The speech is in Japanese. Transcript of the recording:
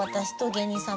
芸人さん